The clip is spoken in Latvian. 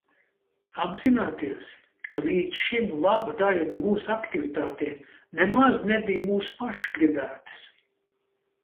Apzināties, ka līdz šim laba daļa no mūsu aktivitātēm nemaz nebija mūsu pašu gribētas.